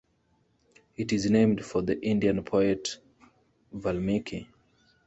It is named for the Indian poet Valmiki.